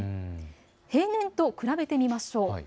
平年と比べてみましょう。